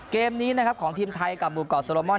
เกมนี้ของทีมไทยกับบูกกอดโซโลมอน